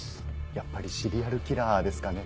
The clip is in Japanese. やっぱりシリアルキラーですかね。